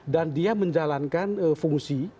dan dia menjalankan fungsi